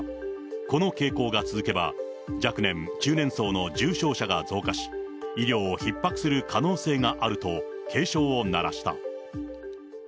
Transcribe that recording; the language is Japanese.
この傾向が続けば、若年、中年層の重症者が増加し、医療をひっ迫する可能性があると、警鐘を鳴らした。